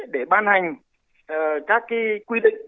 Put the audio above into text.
để ban hành các quy định